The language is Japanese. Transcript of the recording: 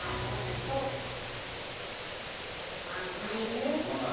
組まない。